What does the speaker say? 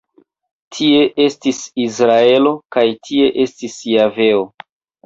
Tie estis Izraelo kaj tie estis Javeo”.